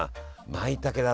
まいたけだな。